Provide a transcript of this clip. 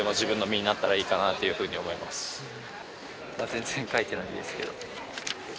全然書いてないんですけど。